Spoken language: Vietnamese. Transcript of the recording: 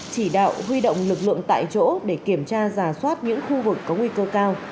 chỉ đạo huy động lực lượng tại chỗ để kiểm tra giả soát những khu vực có nguy cơ cao